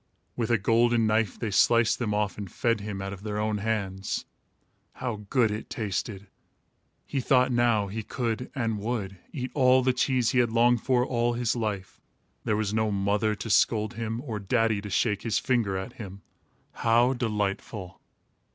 With a golden knife, they sliced them off and fed him out of their own hands. How good it tasted! He thought now he could, and would, eat all the cheese he had longed for all his life. There was no mother to scold him, or daddy to shake his finger at him. How delightful!